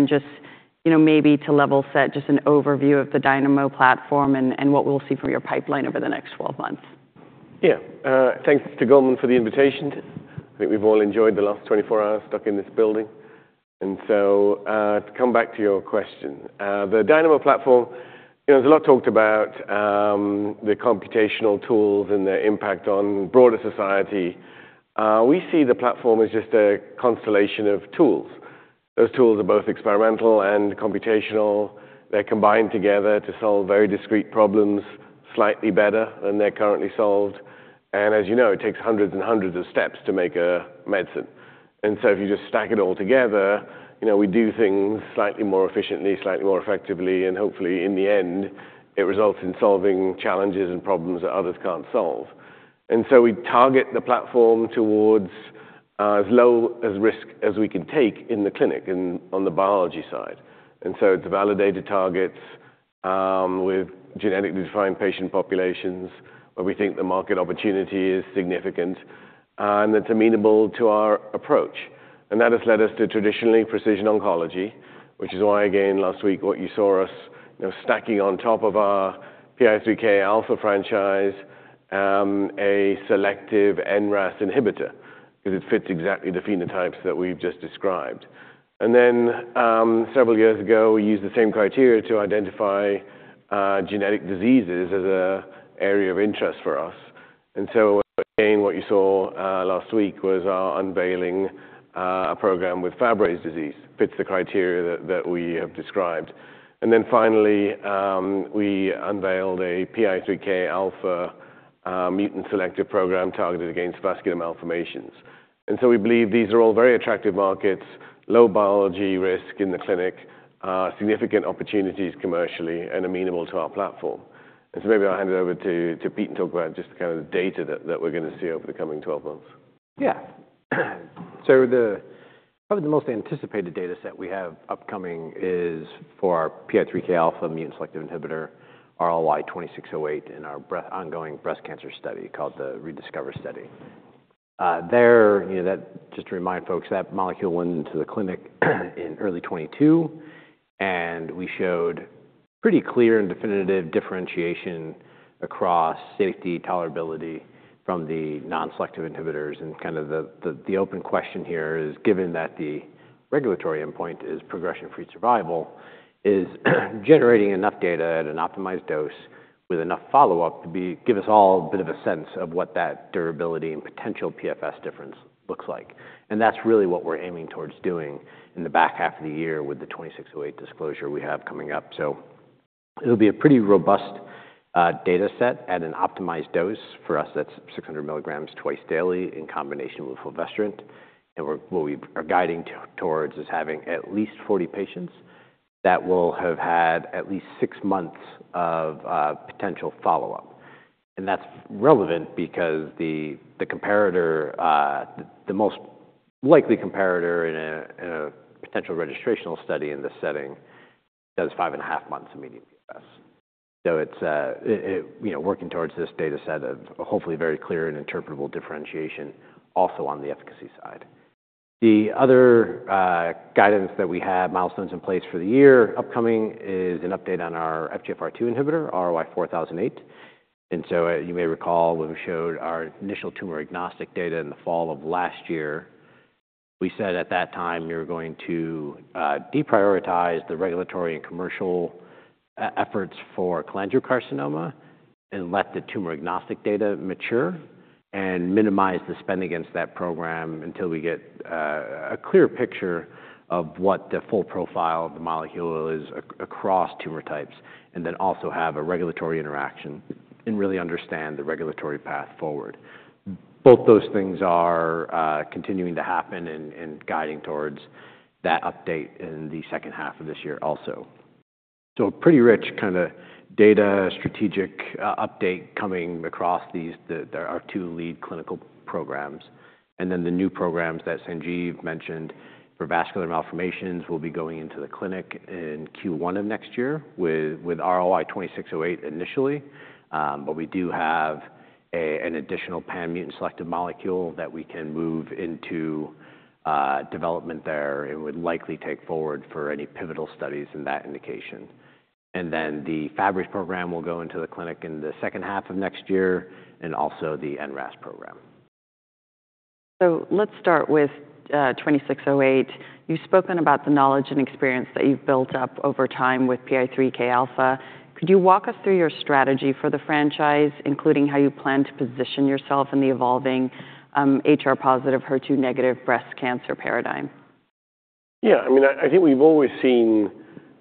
And just, you know, maybe to level set, just an overview of the Dynamo platform and what we'll see from your pipeline over the next 12 months. Yeah, thanks to Goldman for the invitation. I think we've all enjoyed the last 24 hours stuck in this building. And so to come back to your question, the Dynamo platform, there's a lot talked about the computational tools and their impact on broader society. We see the platform as just a constellation of tools. Those tools are both experimental and computational. They're combined together to solve very discrete problems slightly better than they're currently solved. And as you know, it takes hundreds and hundreds of steps to make a medicine. And so if you just stack it all together, you know, we do things slightly more efficiently, slightly more effectively, and hopefully in the end, it results in solving challenges and problems that others can't solve. And so we target the platform towards as low a risk as we can take in the clinic and on the biology side. It's validated targets with genetically defined patient populations where we think the market opportunity is significant and that's amenable to our approach. That has led us to traditional precision oncology, which is why again last week what you saw us stacking on top of our PI3K alpha franchise, a selective NRAS inhibitor because it fits exactly the phenotypes that we've just described. Several years ago, we used the same criteria to identify genetic diseases as an area of interest for us. Again, what you saw last week was our unveiling a program with Fabry disease. It fits the criteria that we have described. Finally, we unveiled a PI3K alpha mutant selective program targeted against vascular malformations. We believe these are all very attractive markets, low biology risk in the clinic, significant opportunities commercially, and amenable to our platform. And so maybe I'll hand it over to Pete and talk about just the kind of data that we're going to see over the coming 12 months. Yeah. So probably the most anticipated data set we have upcoming is for our PI3K alpha mutant selective inhibitor, RLY-2608, in our ongoing breast cancer study called the ReDiscover study. There, just to remind folks, that molecule went into the clinic in early 2022, and we showed pretty clear and definitive differentiation across safety, tolerability from the non-selective inhibitors. And kind of the open question here is, given that the regulatory endpoint is progression-free survival, is generating enough data at an optimized dose with enough follow-up to give us all a bit of a sense of what that durability and potential PFS difference looks like? And that's really what we're aiming towards doing in the back half of the year with the 2608 disclosure we have coming up. So it'll be a pretty robust data set at an optimized dose for us. That's 600 mgs twice daily in combination with fulvestrant. What we are guiding towards is having at least 40 patients that will have had at least six months of potential follow-up. That's relevant because the comparator, the most likely comparator in a potential registrational study in this setting, does 5.5 months immediately for us. It's working towards this data set of hopefully very clear and interpretable differentiation also on the efficacy side. The other guidance that we have, milestones in place for the year upcoming, is an update on our FGFR2 inhibitor, RLY-4008. And so you may recall when we showed our initial tumor agnostic data in the fall of last year, we said at that time we were going to deprioritize the regulatory and commercial efforts for cholangiocarcinoma and let the tumor agnostic data mature and minimize the spend against that program until we get a clear picture of what the full profile of the molecule is across tumor types and then also have a regulatory interaction and really understand the regulatory path forward. Both those things are continuing to happen and guiding towards that update in the second half of this year also. So a pretty rich kind of data strategic update coming across these are two lead clinical programs. And then the new programs that Sanjiv mentioned for vascular malformations will be going into the clinic in Q1 of next year with RLY-2608 initially. We do have an additional pan-mutant selective molecule that we can move into development there and would likely take forward for any pivotal studies in that indication. Then the Fabry's program will go into the clinic in the second half of next year and also the NRAS program. Let's start with 2608. You've spoken about the knowledge and experience that you've built up over time with PI3K alpha. Could you walk us through your strategy for the franchise, including how you plan to position yourself in the evolving HR positive, HER2 negative breast cancer paradigm? Yeah, I mean, I think we've always seen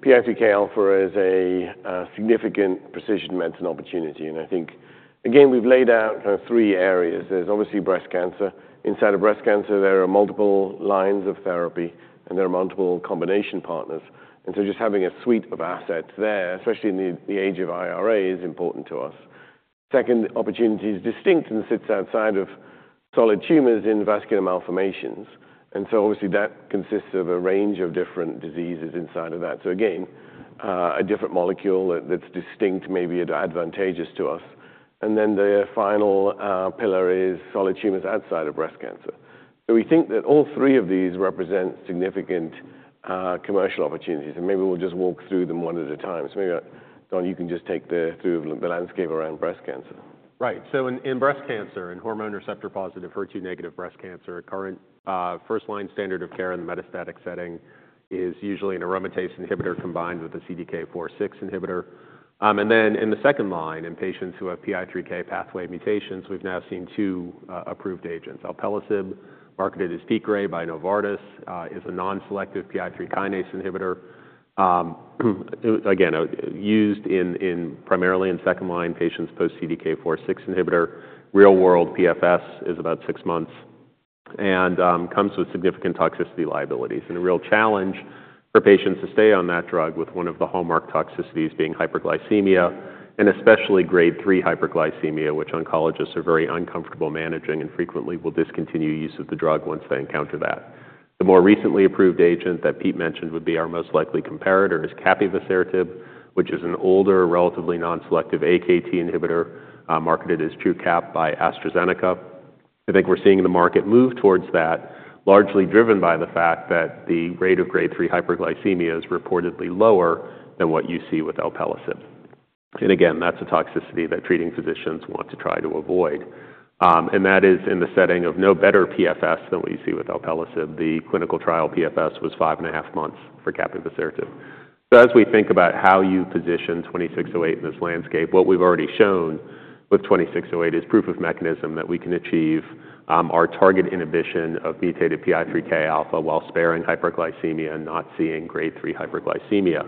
PI3K alpha as a significant precision medicine opportunity. And I think, again, we've laid out kind of three areas. There's obviously breast cancer. Inside of breast cancer, there are multiple lines of therapy and there are multiple combination partners. And so just having a suite of assets there, especially in the age of IRA, is important to us. Second, opportunity is distinct and sits outside of solid tumors in vascular malformations. And so obviously that consists of a range of different diseases inside of that. So again, a different molecule that's distinct may be advantageous to us. And then the final pillar is solid tumors outside of breast cancer. So we think that all three of these represent significant commercial opportunities. And maybe we'll just walk through them one at a time. So maybe, Don, you can just take the landscape around breast cancer. Right. So in breast cancer and hormone receptor positive, HER2 negative breast cancer, current first line standard of care in the metastatic setting is usually an aromatase inhibitor combined with a CDK4/6 inhibitor. And then in the second line, in patients who have PI3K pathway mutations, we've now seen two approved agents. Alpelisib, marketed as Piqray by Novartis, is a non-selective PI3 kinase inhibitor. Again, used primarily in second line patients post-CDK4/6 inhibitor. Real world PFS is about six months and comes with significant toxicity liabilities. And a real challenge for patients to stay on that drug with one of the hallmark toxicities being hyperglycemia and especially grade 3 hyperglycemia, which oncologists are very uncomfortable managing and frequently will discontinue use of the drug once they encounter that. The more recently approved agent that Pete mentioned would be our most likely comparator is capivasertib, which is an older, relatively non-selective AKT inhibitor marketed as Truqap by AstraZeneca. I think we're seeing the market move towards that, largely driven by the fact that the rate of grade 3 hyperglycemia is reportedly lower than what you see with alpelisib. And again, that's a toxicity that treating physicians want to try to avoid. And that is in the setting of no better PFS than what you see with alpelisib. The clinical trial PFS was 5.5 months for capivasertib. So as we think about how you position 2608 in this landscape, what we've already shown with 2608 is proof of mechanism that we can achieve our target inhibition of mutated PI3K alpha while sparing hyperglycemia and not seeing grade 3 hyperglycemia.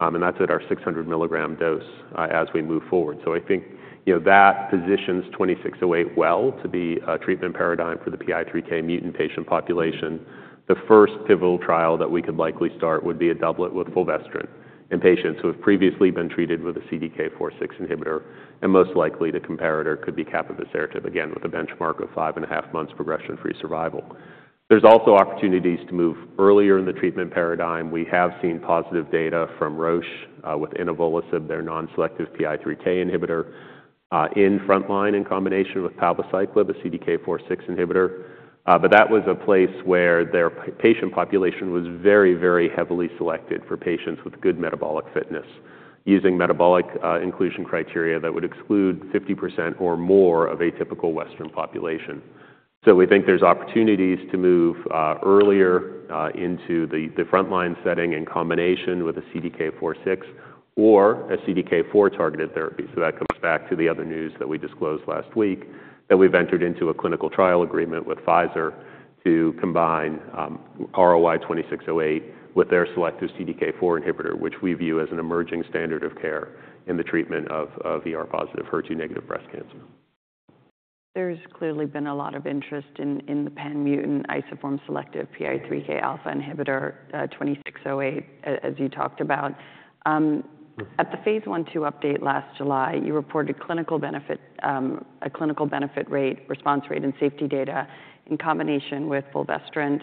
And that's at our 600 mg dose as we move forward. So I think that positions 2608 well to be a treatment paradigm for the PI3K mutant patient population. The first pivotal trial that we could likely start would be a doublet with fulvestrant in patients who have previously been treated with a CDK4/6 inhibitor. And most likely the comparator could be capivasertib, again, with a benchmark of 5.5 months progression-free survival. There's also opportunities to move earlier in the treatment paradigm. We have seen positive data from Roche with inavolisib, their non-selective PI3K inhibitor in front line in combination with palbociclib, a CDK4/6 inhibitor. But that was a place where their patient population was very, very heavily selected for patients with good metabolic fitness using metabolic inclusion criteria that would exclude 50% or more of atypical Western population. We think there's opportunities to move earlier into the front line setting in combination with a CDK4/6 or a CDK4 targeted therapy. That comes back to the other news that we disclosed last week that we've entered into a clinical trial agreement with Pfizer to combine RLY-2608 with their selective CDK4 inhibitor, which we view as an emerging standard of care in the treatment of positive, HER2 negative breast cancer. There's clearly been a lot of interest in the pan-mutant isoform selective PI3K alpha inhibitor RLY-2608, as you talked about. At the phase 1/2 update last July, you reported a clinical benefit rate, response rate, and safety data in combination with fulvestrant.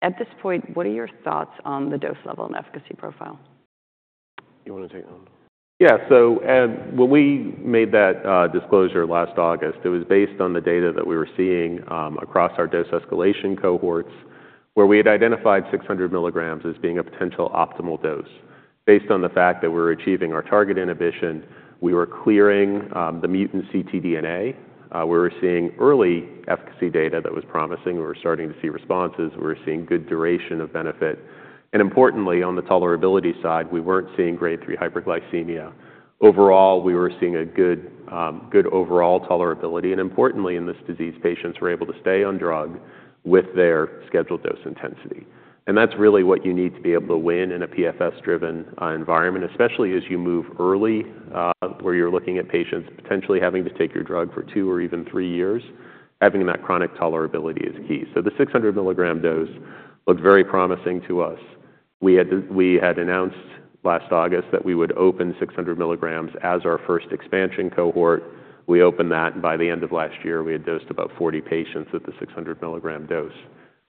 At this point, what are your thoughts on the dose level and efficacy profile? You want to take that one? Yeah. So when we made that disclosure last August, it was based on the data that we were seeing across our dose escalation cohorts where we had identified 600 mgs as being a potential optimal dose. Based on the fact that we were achieving our target inhibition, we were clearing the mutant ctDNA. We were seeing early efficacy data that was promising. We were starting to see responses. We were seeing good duration of benefit. And importantly, on the tolerability side, we weren't seeing grade 3 hyperglycemia. Overall, we were seeing a good overall tolerability. And importantly, in this disease, patients were able to stay on drug with their scheduled dose intensity. And that's really what you need to be able to win in a PFS driven environment, especially as you move early where you're looking at patients potentially having to take your drug for two or even three years. Having that chronic tolerability is key. So the 600 mg dose looked very promising to us. We had announced last August that we would open 600 mgs as our first expansion cohort. We opened that, and by the end of last year, we had dosed about 40 patients at the 600 mg dose.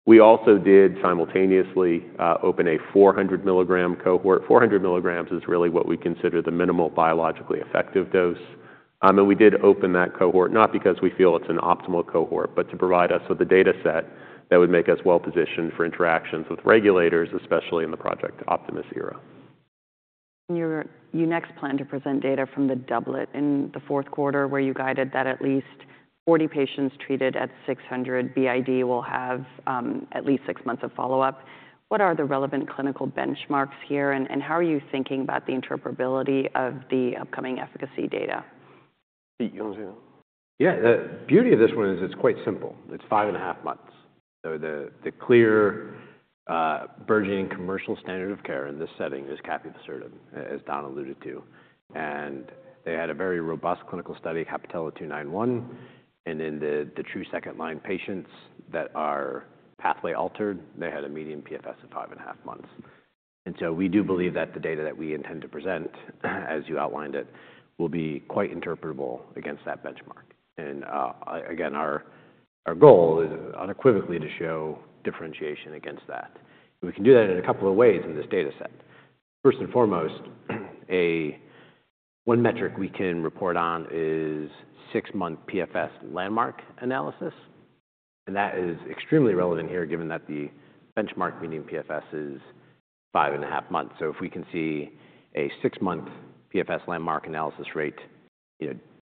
We also did simultaneously open a 400 mg cohort. 400 mgs is really what we consider the minimal biologically effective dose. We did open that cohort, not because we feel it's an optimal cohort, but to provide us with a data set that would make us well positioned for interactions with regulators, especially in the Project Optimus era. You next plan to present data from the doublet in the fourth quarter where you guided that at least 40 patients treated at 600 BID will have at least six months of follow-up. What are the relevant clinical benchmarks here? How are you thinking about the interpretability of the upcoming efficacy data? Pete, you want to say that? Yeah. The beauty of this one is it's quite simple. It's 5.5 months. So the clear burgeoning commercial standard of care in this setting is capivasertib, as Don alluded to. And they had a very robust clinical study, CAPItello-291. And in the true second line patients that are pathway altered, they had a median PFS of 5.5 months. And so we do believe that the data that we intend to present, as you outlined it, will be quite interpretable against that benchmark. And again, our goal is unequivocally to show differentiation against that. We can do that in a couple of ways in this data set. First and foremost, one metric we can report on is 6-month PFS landmark analysis. And that is extremely relevant here given that the benchmark median PFS is 5.5 months. So if we can see a 6-month PFS landmark analysis rate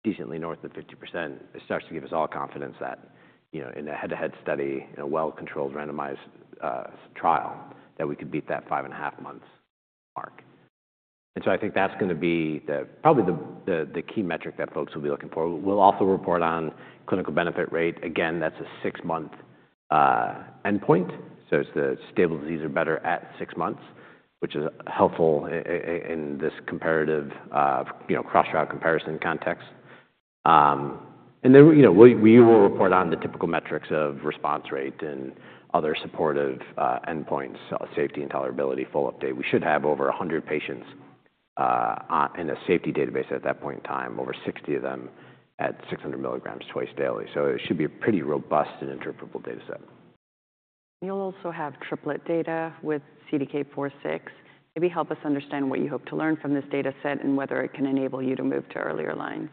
decently north of 50%, it starts to give us all confidence that in a head-to-head study, in a well-controlled randomized trial, that we could beat that 5.5 months mark. And so I think that's going to be probably the key metric that folks will be looking for. We'll also report on clinical benefit rate. Again, that's a 6-month endpoint. So it's the stable disease or better at 6 months, which is helpful in this comparative cross-route comparison context. And then we will report on the typical metrics of response rate and other supportive endpoints, safety and tolerability, full update. We should have over 100 patients in a safety database at that point in time, over 60 of them at 600 mg twice daily. So it should be a pretty robust and interpretable data set. You'll also have triplet data with CDK4/6. Maybe help us understand what you hope to learn from this data set and whether it can enable you to move to earlier lines?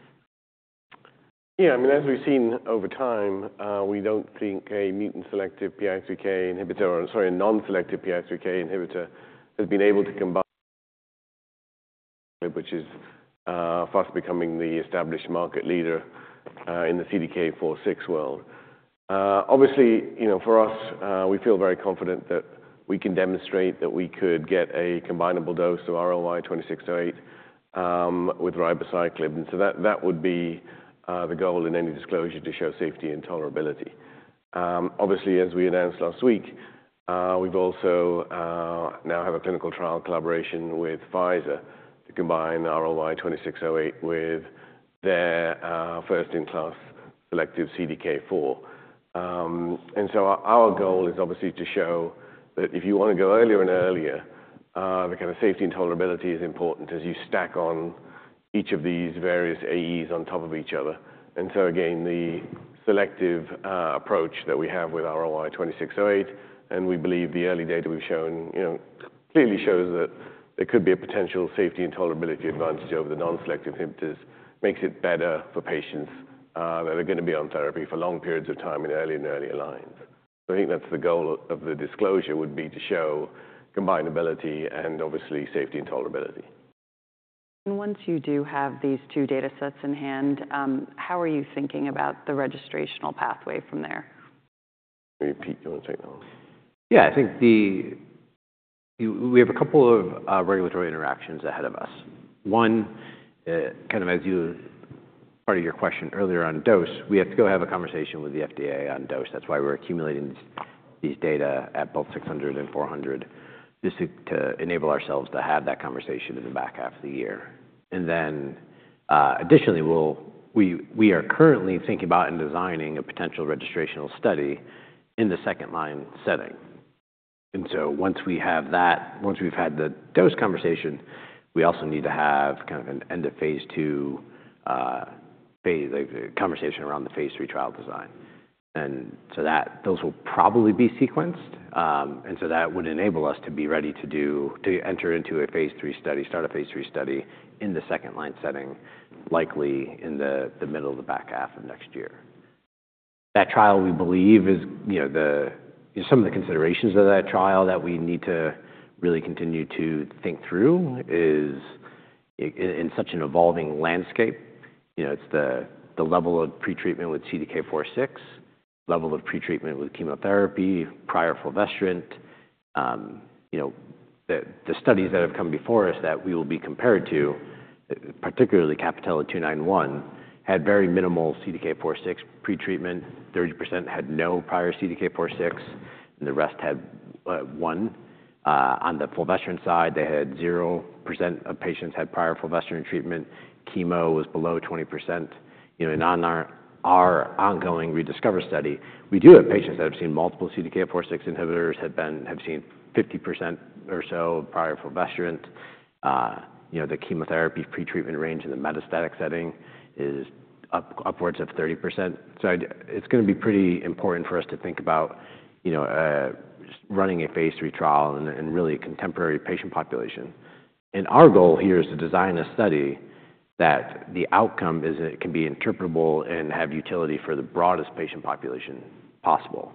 Yeah, I mean, as we've seen over time, we don't think a mutant selective PI3K inhibitor, sorry, a non-selective PI3K inhibitor has been able to combine, which is fast becoming the established market leader in the CDK4/6 world. Obviously, for us, we feel very confident that we can demonstrate that we could get a combinable dose of RLY-2608 with ribociclib. And so that would be the goal in any disclosure to show safety and tolerability. Obviously, as we announced last week, we've also now have a clinical trial collaboration with Pfizer to combine RLY-2608 with their first in class selective CDK4. And so our goal is obviously to show that if you want to go earlier and earlier, the kind of safety and tolerability is important as you stack on each of these various AEs on top of each other. So again, the selective approach that we have with RLY-2608, and we believe the early data we've shown clearly shows that there could be a potential safety and tolerability advantage over the non-selective inhibitors, makes it better for patients that are going to be on therapy for long periods of time in early and earlier lines. So I think that's the goal of the disclosure would be to show combinability and obviously safety and tolerability. Once you do have these two data sets in hand, how are you thinking about the registrational pathway from there? Pete, you want to take that one? Yeah, I think we have a couple of regulatory interactions ahead of us. One, kind of as a part of your question earlier on dose, we have to go have a conversation with the FDA on dose. That's why we're accumulating these data at both 600 and 400 just to enable ourselves to have that conversation in the back half of the year. And then additionally, we are currently thinking about and designing a potential registrational study in the second line setting. And so once we have that, once we've had the dose conversation, we also need to have kind of an end of phase 2 conversation around the phase 3 trial design. And so those will probably be sequenced. So that would enable us to be ready to enter into a phase three study, start a phase three study in the second line setting, likely in the middle of the back half of next year. That trial we believe is some of the considerations of that trial that we need to really continue to think through is in such an evolving landscape. It's the level of pretreatment with CDK4/6, level of pretreatment with chemotherapy, prior fulvestrant, the studies that have come before us that we will be compared to, particularly CAPItello-291, had very minimal CDK4/6 pretreatment, 30% had no prior CDK4/6, and the rest had one. On the fulvestrant side, they had 0% of patients had prior fulvestrant treatment. Chemo was below 20%. And on our ongoing ReDiscover study, we do have patients that have seen multiple CDK4/6 inhibitors, have seen 50% or so prior fulvestrant. The chemotherapy pretreatment range in the metastatic setting is upwards of 30%. So it's going to be pretty important for us to think about running a phase 3 trial in really a contemporary patient population. And our goal here is to design a study that the outcome can be interpretable and have utility for the broadest patient population possible.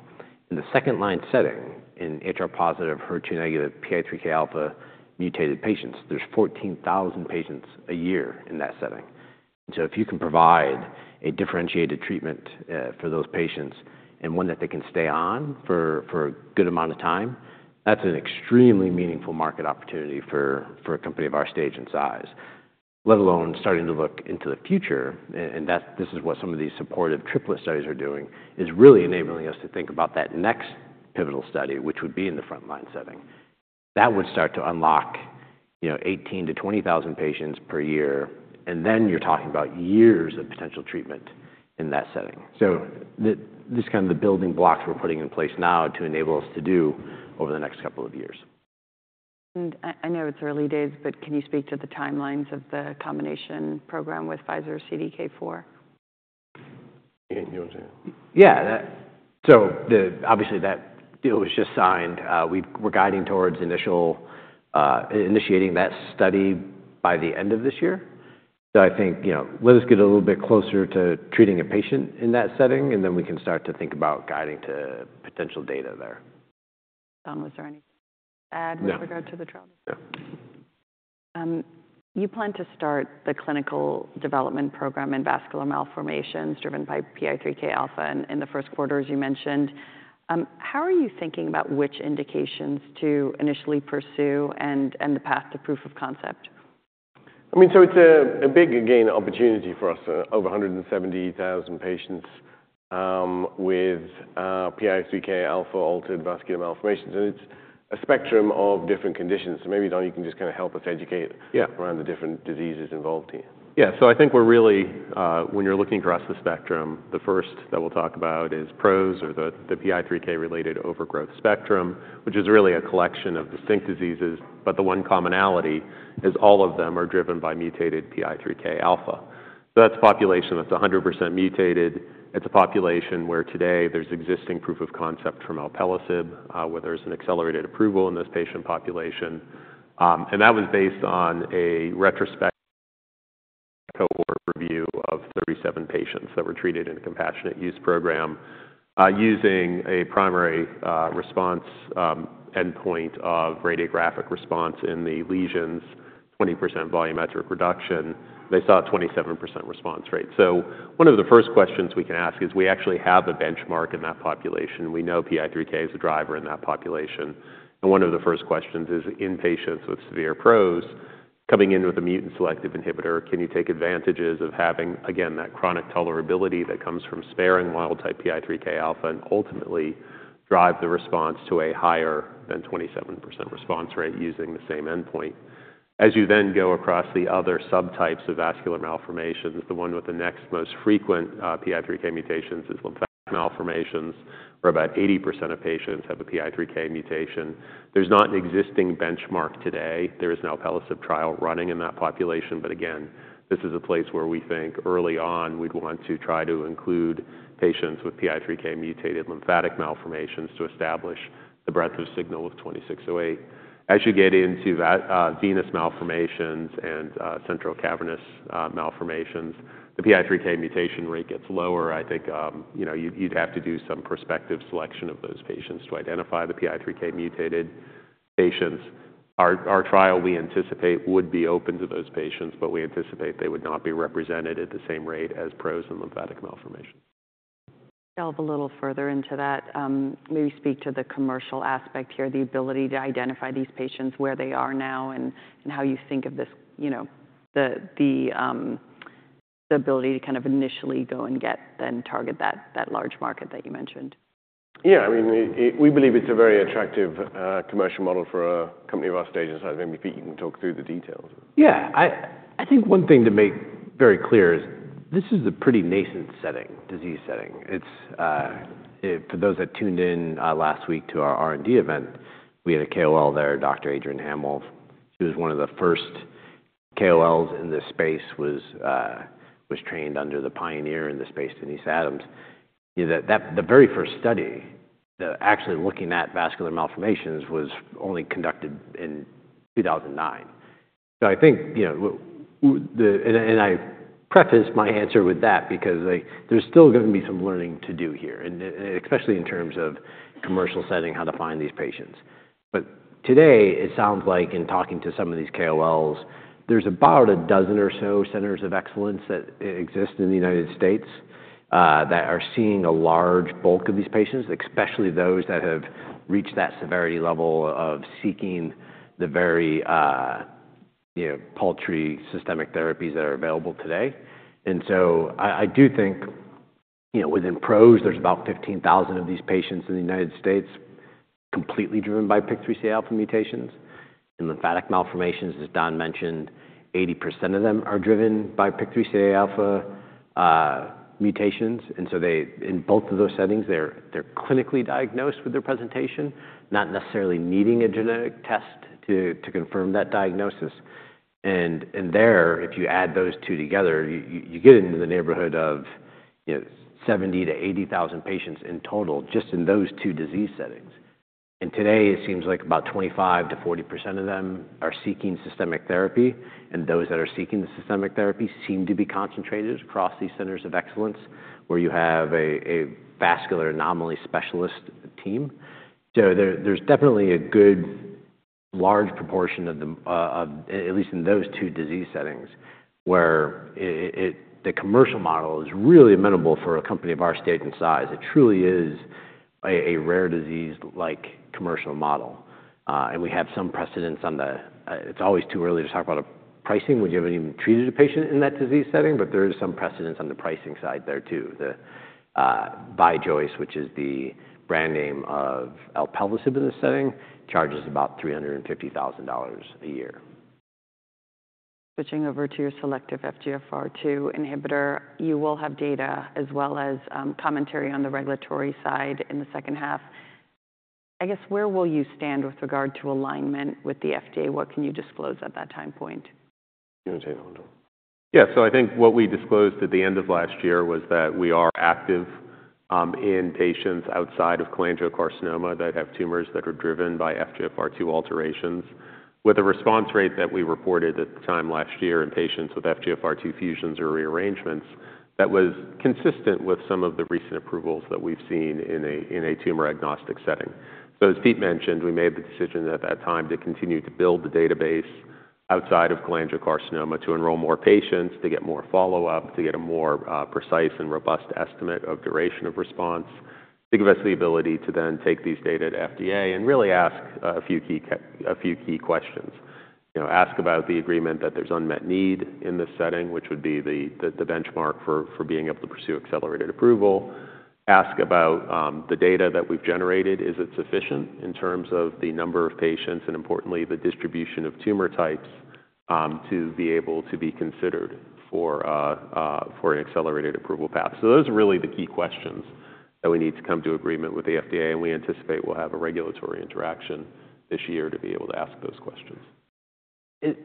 In the second line setting, in HR positive, HER2 negative PI3K alpha mutated patients, there's 14,000 patients a year in that setting. And so if you can provide a differentiated treatment for those patients and one that they can stay on for a good amount of time, that's an extremely meaningful market opportunity for a company of our stage and size. Let alone starting to look into the future, and this is what some of these supportive triplet studies are doing, is really enabling us to think about that next pivotal study, which would be in the front line setting. That would start to unlock 18,000-20,000 patients per year. And then you're talking about years of potential treatment in that setting. So this is kind of the building blocks we're putting in place now to enable us to do over the next couple of years. I know it's early days, but can you speak to the timelines of the combination program with Pfizer CDK4? You want to take that? Yeah. So obviously that deal was just signed. We're guiding towards initiating that study by the end of this year. So I think let us get a little bit closer to treating a patient in that setting, and then we can start to think about guiding to potential data there. Don, was there anything to add with regard to the trial? No. You plan to start the clinical development program in vascular malformations driven by PI3K alpha in the first quarter, as you mentioned. How are you thinking about which indications to initially pursue and the path to proof of concept? I mean, it's a big, again, opportunity for us. Over 170,000 patients with PI3K alpha altered vascular malformations. It's a spectrum of different conditions. Maybe, Don, you can just kind of help us educate around the different diseases involved here. Yeah. So I think we're really, when you're looking across the spectrum, the first that we'll talk about is PROS or the PI3K related overgrowth spectrum, which is really a collection of distinct diseases. But the one commonality is all of them are driven by mutated PI3K alpha. So that's a population that's 100% mutated. It's a population where today there's existing proof of concept from alpelisib, where there's an accelerated approval in this patient population. And that was based on a retrospective cohort review of 37 patients that were treated in a compassionate use program using a primary response endpoint of radiographic response in the lesions, 20% volumetric reduction. They saw a 27% response rate. So one of the first questions we can ask is, we actually have a benchmark in that population. We know PI3K is the driver in that population. One of the first questions is, in patients with severe PROS, coming in with a mutant selective inhibitor, can you take advantages of having, again, that chronic tolerability that comes from sparing wild type PI3K alpha and ultimately drive the response to a higher than 27% response rate using the same endpoint? As you then go across the other subtypes of vascular malformations, the one with the next most frequent PI3K mutations is lymphatic malformations, where about 80% of patients have a PI3K mutation. There's not an existing benchmark today. There is an alpelisib trial running in that population. But again, this is a place where we think early on we'd want to try to include patients with PI3K mutated lymphatic malformations to establish the breadth of signal with 2608. As you get into venous malformations and cerebral cavernous malformations, the PI3K mutation rate gets lower. I think you'd have to do some prospective selection of those patients to identify the PI3K mutated patients. Our trial, we anticipate, would be open to those patients, but we anticipate they would not be represented at the same rate as PROS and lymphatic malformations. Delve a little further into that. Maybe speak to the commercial aspect here, the ability to identify these patients where they are now, and how you think of the ability to kind of initially go and get then target that large market that you mentioned. Yeah, I mean, we believe it's a very attractive commercial model for a company of our stage and size. Maybe Pete can talk through the details. Yeah. I think one thing to make very clear is this is a pretty nascent disease setting. For those that tuned in last week to our R&D event, we had a KOL there, Dr. Adrienne Hammill. She was one of the first KOLs in this space, was trained under the pioneer in the space, Denise Adams. The very first study actually looking at vascular malformations was only conducted in 2009. So I think, and I preface my answer with that because there's still going to be some learning to do here, especially in terms of commercial setting, how to find these patients. But today, it sounds like in talking to some of these KOLs, there's about 12 or so centers of excellence that exist in the United States that are seeing a large bulk of these patients, especially those that have reached that severity level of seeking the very paltry systemic therapies that are available today. And so I do think within PROS, there's about 15,000 of these patients in the United States completely driven by PI3K alpha mutations. In lymphatic malformations, as Don mentioned, 80% of them are driven by PI3K alpha mutations. And so in both of those settings, they're clinically diagnosed with their presentation, not necessarily needing a genetic test to confirm that diagnosis. And there, if you add those two together, you get into the neighborhood of 70,000-80,000 patients in total just in those two disease settings. Today, it seems like about 25%-40% of them are seeking systemic therapy. Those that are seeking the systemic therapy seem to be concentrated across these centers of excellence where you have a vascular anomaly specialist team. So there's definitely a good large proportion of, at least in those two disease settings, where the commercial model is really amenable for a company of our stage and size. It truly is a rare disease-like commercial model. We have some precedents on the; it's always too early to talk about pricing when you haven't even treated a patient in that disease setting, but there is some precedent on the pricing side there too. Vijoice, which is the brand name of alpelisib in this setting, charges about $350,000 a year. Switching over to your selective FGFR2 inhibitor, you will have data as well as commentary on the regulatory side in the second half. I guess, where will you stand with regard to alignment with the FDA? What can you disclose at that time point? You want to take that one, Don? Yeah. So I think what we disclosed at the end of last year was that we are active in patients outside of cholangiocarcinoma that have tumors that are driven by FGFR2 alterations. With a response rate that we reported at the time last year in patients with FGFR2 fusions or rearrangements, that was consistent with some of the recent approvals that we've seen in a tumor agnostic setting. So as Pete mentioned, we made the decision at that time to continue to build the database outside of cholangiocarcinoma to enroll more patients, to get more follow-up, to get a more precise and robust estimate of duration of response, to give us the ability to then take these data to FDA and really ask a few key questions. Ask about the agreement that there's unmet need in this setting, which would be the benchmark for being able to pursue accelerated approval. Ask about the data that we've generated. Is it sufficient in terms of the number of patients and, importantly, the distribution of tumor types to be able to be considered for an accelerated approval path? So those are really the key questions that we need to come to agreement with the FDA. And we anticipate we'll have a regulatory interaction this year to be able to ask those questions. And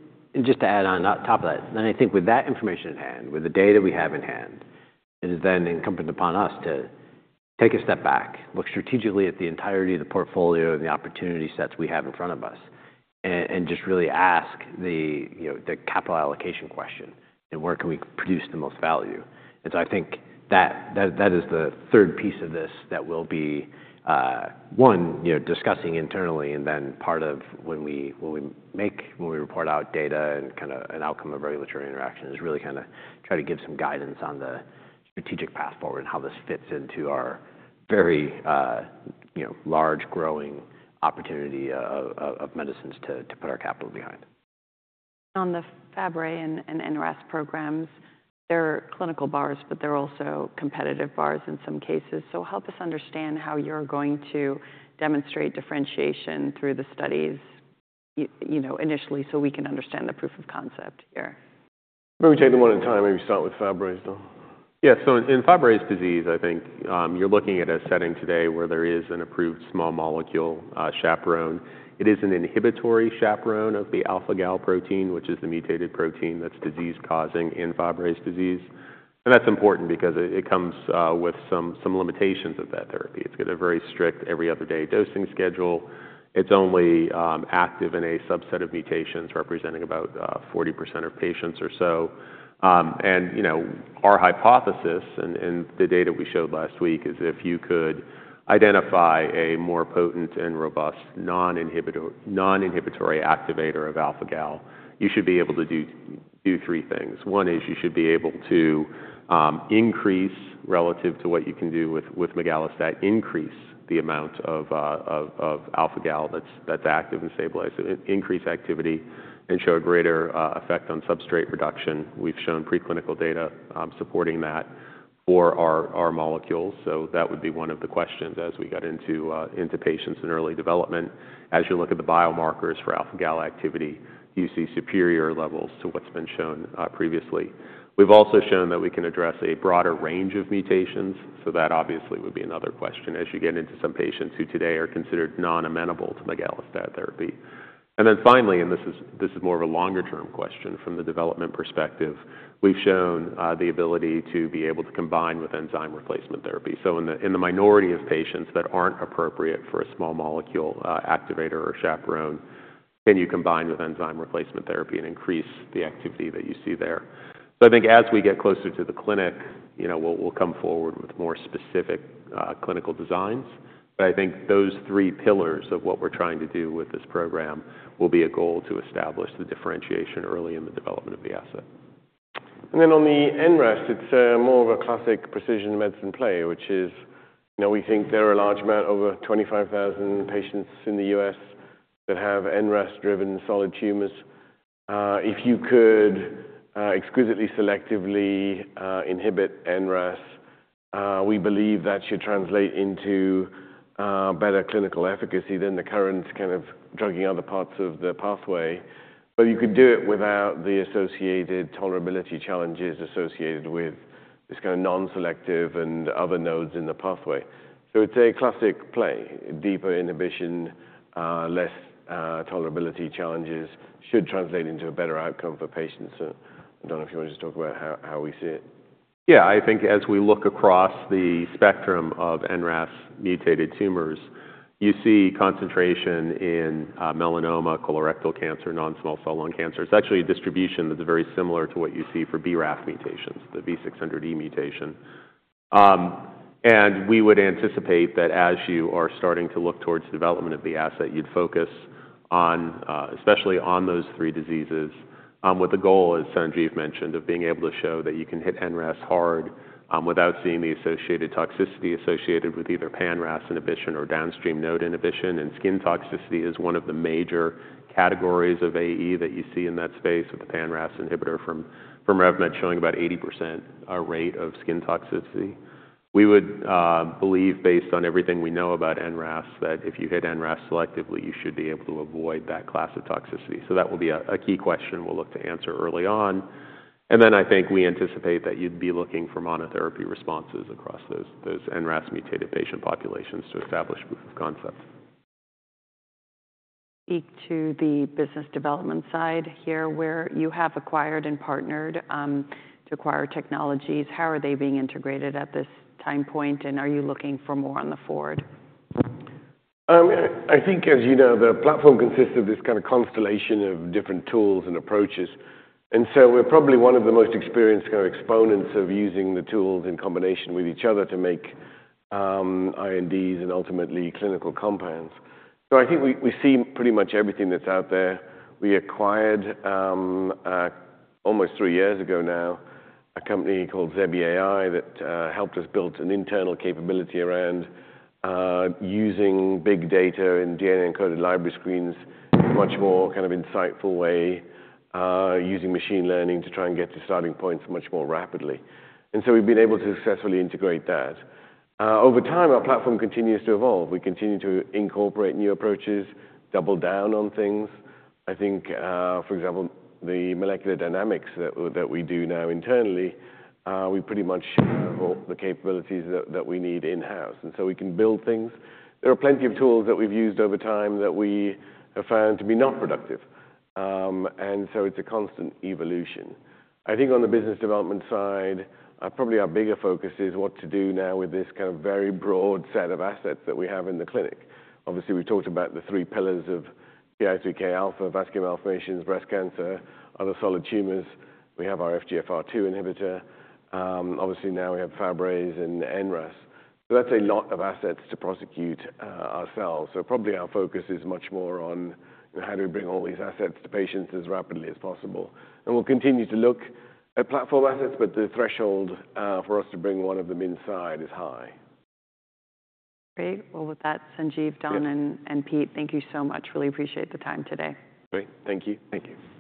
just to add on top of that, then I think with that information in hand, with the data we have in hand, it is then incumbent upon us to take a step back, look strategically at the entirety of the portfolio and the opportunity sets we have in front of us, and just really ask the capital allocation question, and where can we produce the most value? And so I think that is the third piece of this that we'll be, one, discussing internally, and then part of when we report out data and kind of an outcome of regulatory interaction is really kind of try to give some guidance on the strategic path forward and how this fits into our very large growing opportunity of medicines to put our capital behind. On the Fabry and NRAS programs, there are clinical bars, but there are also competitive bars in some cases. So help us understand how you're going to demonstrate differentiation through the studies initially so we can understand the proof of concept here. Maybe we take them one at a time. Maybe start with Fabry's, Don? Yeah. So in Fabry disease, I think you're looking at a setting today where there is an approved small molecule, chaperone. It is an inhibitory chaperone of the alpha-gal protein, which is the mutated protein that's disease-causing in Fabry disease. And that's important because it comes with some limitations of that therapy. It's got a very strict every other day dosing schedule. It's only active in a subset of mutations representing about 40% of patients or so. And our hypothesis and the data we showed last week is if you could identify a more potent and robust non-inhibitory activator of alpha-gal, you should be able to do three things. One is you should be able to increase relative to what you can do with migalastat, increase the amount of alpha-gal that's active and stabilize it, increase activity, and show a greater effect on substrate reduction. We've shown preclinical data supporting that for our molecules. So that would be one of the questions as we got into patients in early development. As you look at the biomarkers for alpha-gal activity, you see superior levels to what's been shown previously. We've also shown that we can address a broader range of mutations. So that obviously would be another question as you get into some patients who today are considered non-amenable to migalastat therapy. And then finally, and this is more of a longer-term question from the development perspective, we've shown the ability to be able to combine with enzyme replacement therapy. So in the minority of patients that aren't appropriate for a small molecule activator or chaperone, can you combine with enzyme replacement therapy and increase the activity that you see there? So I think as we get closer to the clinic, we'll come forward with more specific clinical designs. But I think those three pillars of what we're trying to do with this program will be a goal to establish the differentiation early in the development of the asset. And then on the NRAS, it's more of a classic precision medicine play, which is we think there are a large amount of over 25,000 patients in the U.S. that have NRAS-driven solid tumors. If you could exquisitely selectively inhibit NRAS, we believe that should translate into better clinical efficacy than the current kind of drugging other parts of the pathway. But you could do it without the associated tolerability challenges associated with this kind of non-selective and other nodes in the pathway. So it's a classic play. Deeper inhibition, less tolerability challenges should translate into a better outcome for patients. Don, if you want to just talk about how we see it. Yeah. I think as we look across the spectrum of NRAS-mutated tumors, you see concentration in melanoma, colorectal cancer, non-small cell lung cancer. It's actually a distribution that's very similar to what you see for BRAF mutations, the V600E mutation. And we would anticipate that as you are starting to look towards development of the asset, you'd focus especially on those three diseases with the goal, as Sanjiv mentioned, of being able to show that you can hit NRAS hard without seeing the associated toxicity associated with either pan-RAS inhibition or downstream node inhibition. And skin toxicity is one of the major categories of AE that you see in that space with the pan-RAS inhibitor from RevMed showing about 80% rate of skin toxicity. We would believe, based on everything we know about NRAS, that if you hit NRAS selectively, you should be able to avoid that class of toxicity. So that will be a key question we'll look to answer early on. And then I think we anticipate that you'd be looking for monotherapy responses across those NRAS-mutated patient populations to establish proof of concept. Speak to the business development side here where you have acquired and partnered to acquire technologies. How are they being integrated at this time point? Are you looking for more going forward? I think, as you know, the platform consists of this kind of constellation of different tools and approaches. And so we're probably one of the most experienced kind of exponents of using the tools in combination with each other to make INDs and ultimately clinical compounds. So I think we see pretty much everything that's out there. We acquired almost three years ago now a company called ZebiAI that helped us build an internal capability around using big data and DNA-encoded library screens in a much more kind of insightful way, using machine learning to try and get to starting points much more rapidly. And so we've been able to successfully integrate that. Over time, our platform continues to evolve. We continue to incorporate new approaches, double down on things. I think, for example, the molecular dynamics that we do now internally, we pretty much have all the capabilities that we need in-house. And so we can build things. There are plenty of tools that we've used over time that we have found to be not productive. And so it's a constant evolution. I think on the business development side, probably our bigger focus is what to do now with this kind of very broad set of assets that we have in the clinic. Obviously, we've talked about the three pillars of PI3K alpha, vascular malformations, breast cancer, other solid tumors. We have our FGFR2 inhibitor. Obviously, now we have Fabry's and NRAS. So that's a lot of assets to prosecute ourselves. So probably our focus is much more on how do we bring all these assets to patients as rapidly as possible. We'll continue to look at platform assets, but the threshold for us to bring one of them inside is high. Great. Well, with that, Sanjiv, Don, and Pete, thank you so much. Really appreciate the time today. Great. Thank you. Thank you. Thank you.